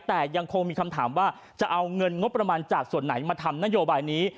แต่ยังคงมีคำถามว่าจะเอาเงินงบประมาณจากส่วนไหนมาทำนโยบายนี้